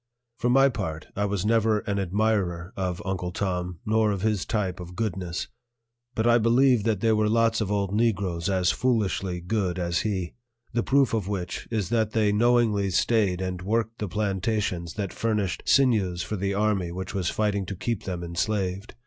For my part, I was never an admirer of Uncle Tom, nor of his type of goodness; but I believe that there were lots of old Negroes as foolishly good as he; the proof of which is that they knowingly stayed and worked the plantations that furnished sinews for the army which was fighting to keep them enslaved.